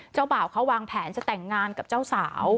บ่าวเขาวางแผนจะแต่งงานกับเจ้าสาว